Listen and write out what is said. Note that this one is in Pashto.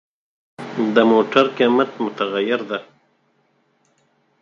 د موټر قیمت متغیر دی.